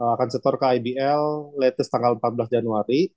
akan setor ke ibl latest tanggal empat belas januari